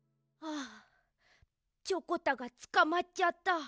あチョコタがつかまっちゃった。